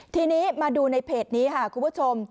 ทีนี้มาดูในเพจนี้ค่ะคุณผู้ชม